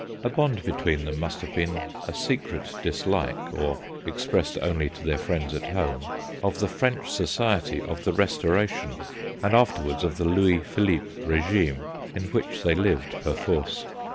A bond between them must have been a secret dislike or expressed only to their friends at home of the French society of the Restoration, and afterwards of the Louis Philippe regime, in which they lived perforce.